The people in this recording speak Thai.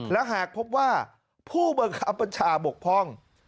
และหากพบว่าผู้บังคับบัญชาบกพร่อง